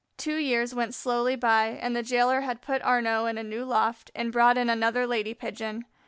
Two years went slowly by, and the jailer had put Arnaux in a new loft and brought in another lady Pigeon.